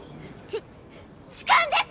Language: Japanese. ち痴漢です！